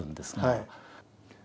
はい。